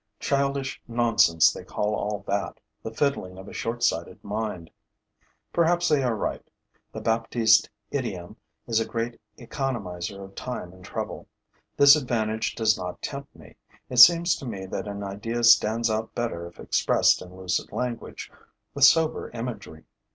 Childish nonsense they call all that; the fiddling of a short sighted mind! Perhaps they are right: the Baptiste idiom is a great economizer of time and trouble. This advantage does not tempt me; it seems to me that an idea stands out better if expressed in lucid language, with sober imagery.